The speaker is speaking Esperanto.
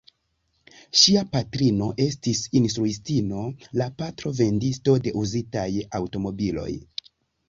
Ŝia patrino estis instruistino, la patro vendisto de uzitaj aŭtomobiloj.